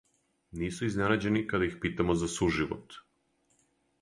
Нису изненађени када их питамо за суживот.